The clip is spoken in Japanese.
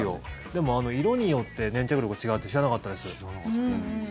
でも色によって粘着力が違うって知らなかったです。